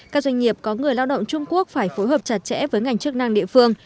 các doanh nghiệp có người lao động trung quốc phải phối hợp chặt chẽ với ngành chức năng địa phương